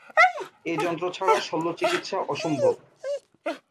এই যন্ত্র ছাড়া শল্যচিকিৎসা অসম্ভব।